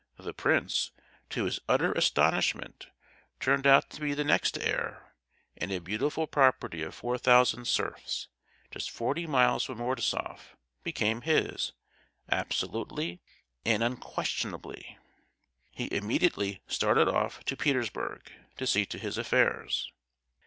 The prince, to his utter astonishment, turned out to be the next heir, and a beautiful property of four thousand serfs, just forty miles from Mordasoff, became his—absolutely and unquestionably! He immediately started off to Petersburg, to see to his affairs.